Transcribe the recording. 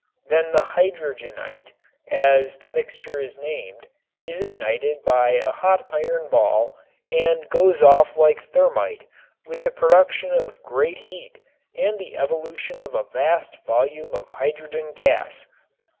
Then the "hydrogenite," as the mixture is named, is ignited by a hot iron ball and goes off like thermit with the production of great heat and the evolution of a vast volume of hydrogen gas.